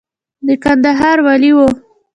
د کندهار والي و.